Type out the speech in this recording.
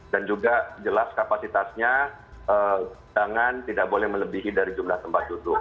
dan juga jelas kapasitasnya jangan tidak boleh melebihi dari jumlah tempat duduk